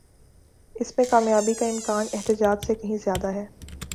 اس میں کامیابی کا امکان احتجاج سے کہیں زیادہ ہے۔